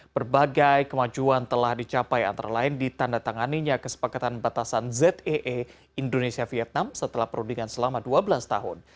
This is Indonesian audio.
berbagai kemajuan telah dicapai antara lain ditanda tanganinya kesepakatan batasan zee indonesia vietnam setelah perundingan selama dua belas tahun